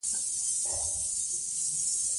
د غذایي مکملونو استعمال د کولمو روغتیا ملاتړ کوي.